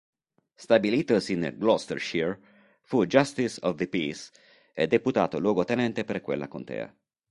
Stabilitosi nel Gloucestershire, fu Justice of the Peace e Deputato Luogotenente per quella contea.